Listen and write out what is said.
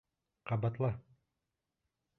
Ҡабатла!